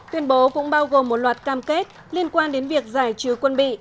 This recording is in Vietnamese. tuyên bố cũng bao gồm một loạt cam kết liên quan đến việc giải trừ quân bị